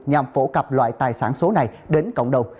nhằm phổ cập loại tài sản số này đến cộng đồng